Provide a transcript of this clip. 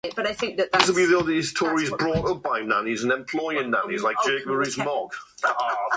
Later in the year, Timely ran a Now You Can Be the Editor!